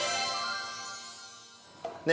ねえ